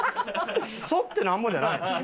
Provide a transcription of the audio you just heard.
反ってなんぼじゃないん？